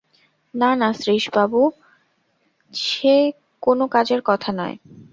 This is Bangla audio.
না না, শ্রীশবাবু, সে কোনো কাজের কথা নয়।